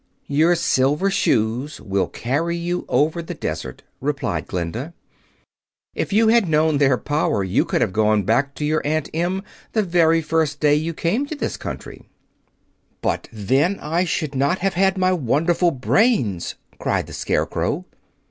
"Your Silver Shoes will carry you over the desert," replied Glinda. "If you had known their power you could have gone back to your Aunt Em the very first day you came to this country." "But then I should not have had my wonderful brains!" cried the Scarecrow.